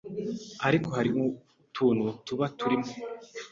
ariko hari utuntu tuba turimo